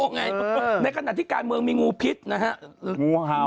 ในขณะที่กาลเมืองมีงูพิษนะฮะ